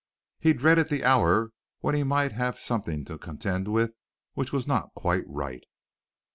He dreaded the hour when he might have something to contend with which was not quite right.